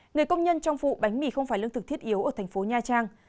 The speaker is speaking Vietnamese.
người công nhân trong vụ bánh mì không phải lương thực thiết yếu ở thành phố nha trang